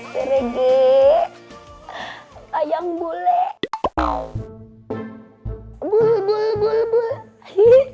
sirege ayam boleh